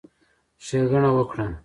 ښېګڼه وکړه،